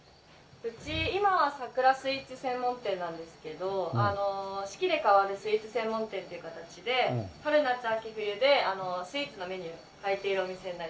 うち今は桜スイーツ専門店なんですけど四季で変わるスイーツ専門店っていう形で春夏秋冬でスイーツのメニューを変えているお店になります。